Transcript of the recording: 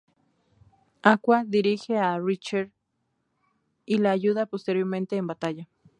Aqua dirige a Richter y le ayuda posteriormente en batalla.